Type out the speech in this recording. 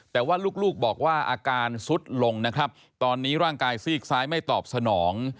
แต่ว่าลูกบอกว่าอาการสุดลงนะครับตอนนี้ร่างกายซีกซ้ายไม่ตอบสนอง